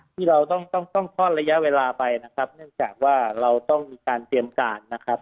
ที่เราต้องต้องท่อนระยะเวลาไปนะครับเนื่องจากว่าเราต้องมีการเตรียมการนะครับ